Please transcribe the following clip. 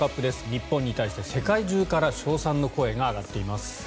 日本に対して世界中から称賛の声が上がっています。